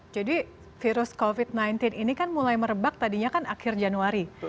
jadi virus covid sembilan belas ini kan mulai merebak tadinya kan akhir januari